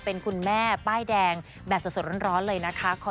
เป็นคุณแม่ป้ายแดงแบบสดร้อนเลยนะคะ